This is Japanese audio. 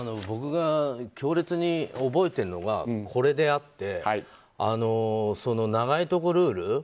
僕が強烈に覚えてるのはこれであって長いところルール？